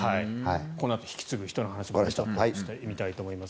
このあと引き継ぐ人の話もしてみたいと思います。